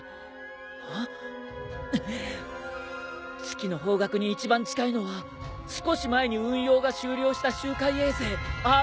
月の方角に一番近いのは少し前に運用が終了した周回衛星ＲＭＯ−Ⅲだ！